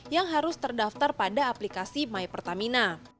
yang harus terdaftar pada aplikasi mypertamina